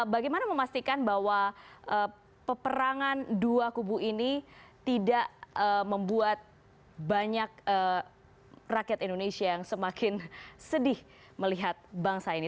bagaimana memastikan bahwa peperangan dua kubu ini tidak membuat banyak rakyat indonesia yang semakin sedih melihat bangsa ini